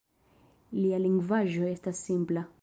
Lia lingvaĵo estas simpla.